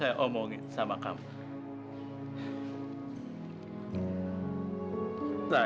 apa kita berdoa bisa ikut sekarang kepada ayoh